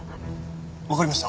わかりました。